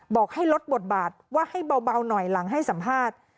บอกให้ลดบทบาทว่าให้เบาหน่อยหลังให้สัมภาษณ์